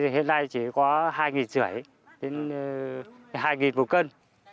hiện nay chỉ có hai năm trăm linh đến hai một cân